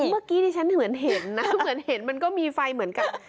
เมื่อกี้ดิฉันเหมือนเห็นนะเหมือนเห็นมันก็มีไฟเหมือนกับ